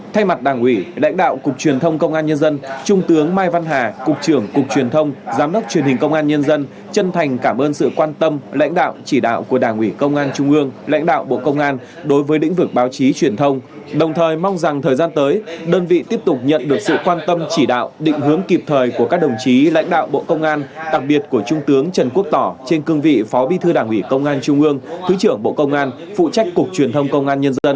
thay mặt đảng ủy lãnh đạo cục truyền thông công an nhân dân trung tướng mai văn hà cục trưởng cục truyền thông giám đốc truyền hình công an nhân dân chân thành cảm ơn sự quan tâm lãnh đạo chỉ đạo của đảng ủy công an trung ương lãnh đạo bộ công an đối với định vực báo chí truyền thông đồng thời mong rằng thời gian tới đơn vị tiếp tục nhận được sự quan tâm chỉ đạo định hướng kịp thời của các đồng chí lãnh đạo bộ công an đặc biệt của trung tướng trần quốc tỏ trên cương vị phó vi thư đảng ủy công an trung ương thứ trưởng bộ công